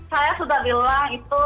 saya sudah bilang itu